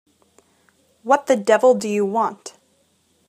What the devil do you want?